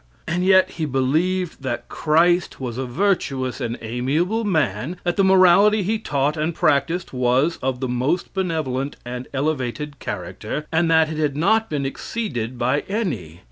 And yet he believed that Christ was a virtuous and amiable man; that the morality he taught and practiced was of the most benevolent and elevated character, and that it had not been exceeded by any.